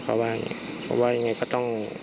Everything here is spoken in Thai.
เพราะว่ายังไงก็ต้อง